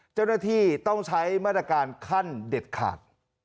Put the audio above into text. เจ้าหน้าที่ต้องใช้มาตรการขั้นเด็ดขาด